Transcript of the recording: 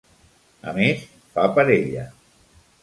A més, fa per ella.